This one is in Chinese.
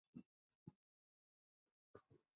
现为江苏省文物保护单位。